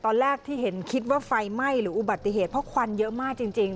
ตอนแรกที่เห็นคิดว่าไฟไหม้หรืออุบัติเหตุเพราะควันเยอะมากจริง